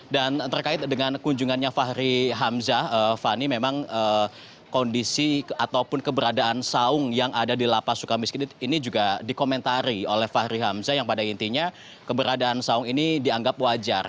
dan terkait dengan kunjungannya fahri hamzah fahri memang kondisi ataupun keberadaan saung yang ada di lapas suka miskin ini juga dikomentari oleh fahri hamzah yang pada intinya keberadaan saung ini dianggap wajar